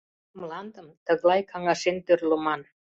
Мландым тыглай каҥашен тӧрлыман...